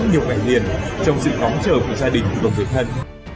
nhiều ngày liền trong sự ngóng trở của gia đình và người thân